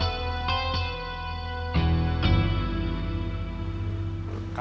mereka gue yang kaya